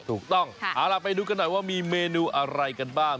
ถูกต้องเอาล่ะไปดูกันหน่อยว่ามีเมนูอะไรกันบ้าง